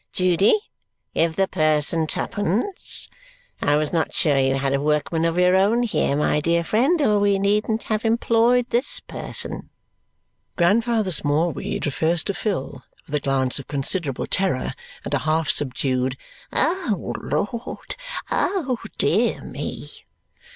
Judy, give the person twopence. I was not sure you had a workman of your own here, my dear friend, or we needn't have employed this person." Grandfather Smallweed refers to Phil with a glance of considerable terror and a half subdued "O Lord! Oh, dear me!"